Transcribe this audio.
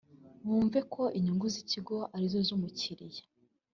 bumve ko inyungu z’ikigo ari zo z’umukiliya